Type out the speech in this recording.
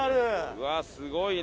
うわあすごいな。